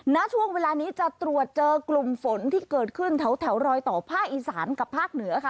ณช่วงเวลานี้จะตรวจเจอกลุ่มฝนที่เกิดขึ้นแถวรอยต่อภาคอีสานกับภาคเหนือค่ะ